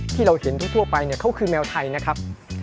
ที่เราเห็นทั่วไปเขาคือแมวไทยนะครับ